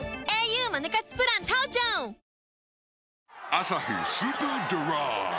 「アサヒスーパードライ」